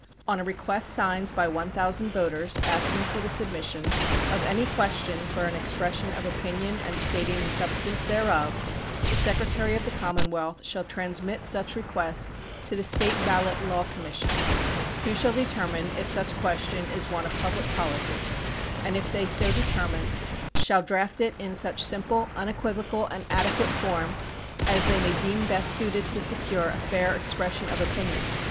On a request signed by one thousand voters, asking for the submission of any question for an expression of opinion and stat ing the substance thereof, the secretary of the Commonwealth shall transmit such request to the State ballot law commission, who shall determine if such question is one of public poUcy, and if they so deter mine, shall draft it in such simple, unequivocal, and adequate form as they may deem best suited to secure a fair expression of opinion.